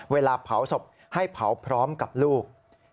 เวลาเผาศพให้เผาพร้อมกับลูก